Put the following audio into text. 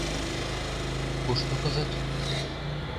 Кушто кызыт?